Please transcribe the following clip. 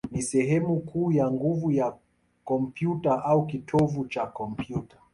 ni sehemu kuu ya nguvu ya kompyuta, au kitovu cha kompyuta.